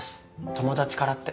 友達からって。